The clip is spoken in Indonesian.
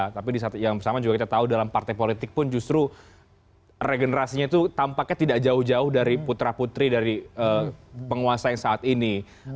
tapi di saat yang bersama juga kita tahu dalam partai politik pun justru regenerasinya itu tampaknya tidak jauh jauh dari putra putri dari penguasa yang saat ini